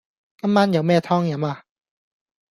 今晚有咩湯飲呀